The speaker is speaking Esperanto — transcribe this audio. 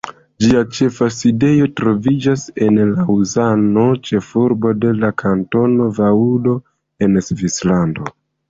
Ĝia ĉefa sidejo troviĝas en Laŭzano, ĉefurbo de la Kantono Vaŭdo en Svislando.